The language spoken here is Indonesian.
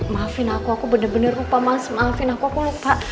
maafin aku aku bener bener lupa maafin aku aku lupa